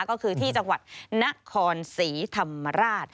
ก็คือที่จังหวัดนครศรีธรรมราช